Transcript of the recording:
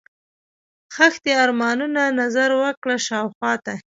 ښخ دي ارمانونه، نظر وکړه شاوخواته